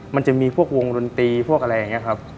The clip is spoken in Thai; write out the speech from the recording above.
มันจะมีพวกวงดนตรีพวกอะไรอย่างนี้ครับ